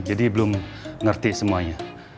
jadi belum ngerti semuanya